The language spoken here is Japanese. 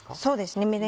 そうですね